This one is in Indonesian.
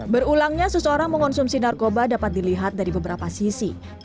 berulangnya seseorang mengonsumsi narkoba dapat dilihat dari beberapa sisi